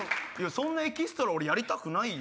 そんなエキストラやりたくないよ。